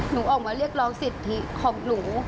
หนูออกมาเรียกร้องสิทธิของหนู